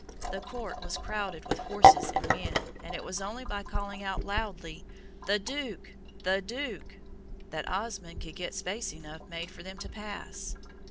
The court was crowded with horses and men, and it was only by calling out loudly, "The Duke, the Duke," that Osmond could get space enough made for them to pass.